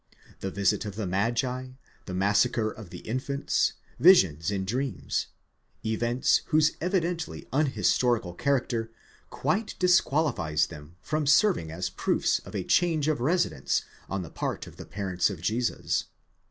The visit of the magi, the massacre of the infants, visions in dreams—events whose evidently unhistorical character quite disqualifies them from serving as proofs of a change of residence on the part of the parents of Jesus.